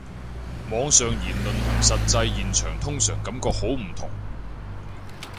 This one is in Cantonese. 網上言論同實際現場通常感覺好唔同